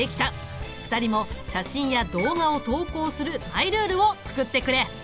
２人も写真や動画を投稿するマイルールを作ってくれ。